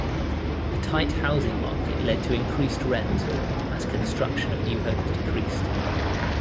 A tight housing market led to increased rent as construction of new homes decreased.